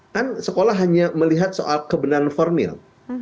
kan sekolah hanya melihat soal kebenaran formil